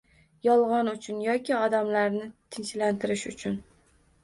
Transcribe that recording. Yolgʻon uchun yoki odamlarni tinchlantirish uchun